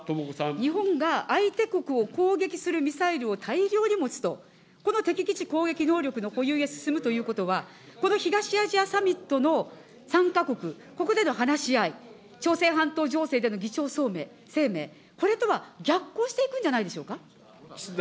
日本が相手国を攻撃するミサイルを大量に持つと、この敵基地攻撃能力の保有へ進むということは、この東アジアサミットの参加国、ここでの話し合い、朝鮮半島情勢での議長声明、これとは逆行していくんじゃないでし岸田